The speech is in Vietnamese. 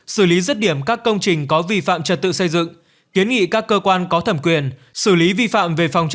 xử lý rứt điểm các công trình có vi phạm trật tự xây dựng